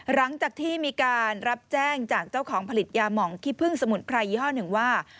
หลังจากที่มีการรับแจ้งจากเจ้าของผลิตยาหมองขี้พึ่งสมุนไพรยี่ห้อหนึ่งว่า